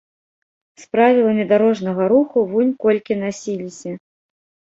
З правіламі дарожнага руху вунь колькі насіліся!